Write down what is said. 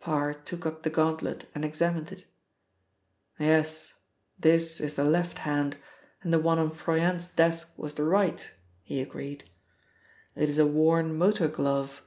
Parr took up the gauntlet and examined it. "Yes, this is the left hand, and the one on Froyant's desk was the right," he agreed. "It is a worn motor glove.